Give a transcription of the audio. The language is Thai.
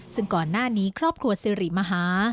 ซึ่งก่อนหน้านี้ครอบครัวสิริมหา